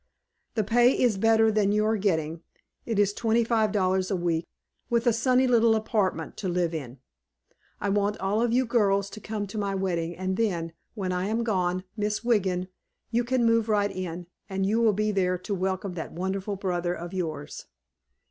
The pay is better than you are getting. It is twenty five dollars a week, with a sunny little apartment to live in. I want all of you girls to come to my wedding and then, when I am gone, Miss Wiggin, you can move right in, and you will be there to welcome that wonderful brother of yours."